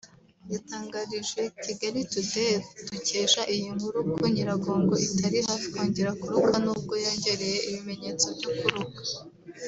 yatangarije Kigali Today dukesha iyi nkuru ko Nyiragongo itari hafi kongera kuruka nubwo yongereye ibimenyetso byo kuruka